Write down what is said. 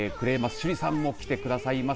趣里さんも来てくださいます。